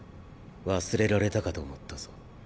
忘れられたかと思ったぞ。